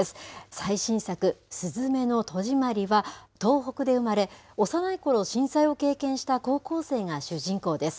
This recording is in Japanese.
最新作、すずめの戸締まりは、東北で生まれ、幼いころ震災を経験した高校生が主人公です。